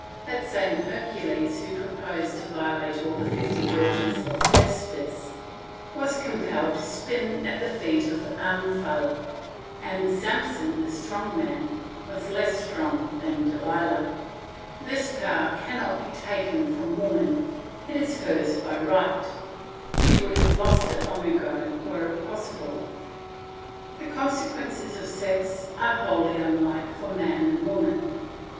That same Hercules who proposed to violate all the fifty daughters of Thespis was compelled to spin at the feet of Omphale, and Samson, the strong man, was less strong than Delilah. This power cannot be taken from woman; it is hers by right; she would have lost it long ago, were it possible. The consequences of sex are wholly unlike for man and woman.